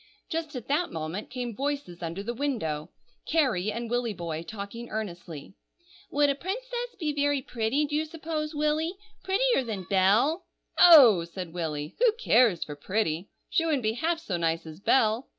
Just at that moment came voices under the window,—Carrie and Willy boy, talking earnestly. "Would a princess be very pretty, do you suppose, Willy? prettier than Bell?" "Ho!" said Willy, "who cares for 'pretty?' She wouldn't be half so nice as Bell.